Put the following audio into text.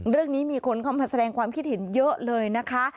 เรื่องนี้มีคนเข้ามาแสดงความคิดเห็นเยอะเลยนะคะ